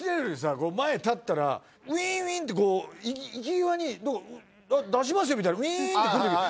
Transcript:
こう前立ったらウィーンウィーンってこういき際に出しますよみたいなウィーンって来る時